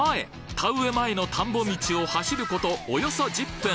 田植え前の田んぼ道を走ることおよそ１０分。